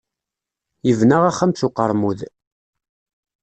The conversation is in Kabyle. Yebna axxam s uqeṛmud.